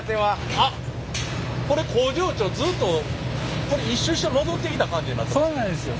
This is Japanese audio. あっこれ工場長ずっとこれ１周して戻ってきた感じになってますね。